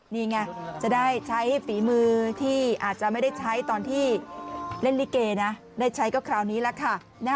นี่ไงจะได้ใช้ฝีมือที่อาจจะไม่ได้ใช้ตอนที่เล่นลิเกนะได้ใช้ก็คราวนี้แล้วค่ะ